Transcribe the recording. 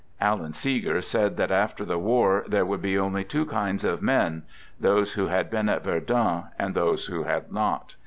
Alan Seeger said that after the war there would be only two kinds of men: those who had been at Verdun and those who had not.